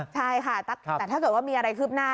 ใช่ค่ะแต่ถ้าเกิดว่ามีอะไรคืบหน้า